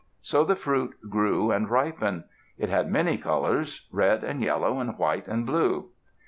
So the fruit grew and ripened. It had many colors; red, and yellow, and white, and blue.